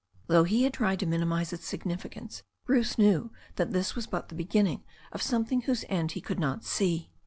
Though he had tried to minimize its significance, Bruce knew that this was but the beginning of something whose end he could not see.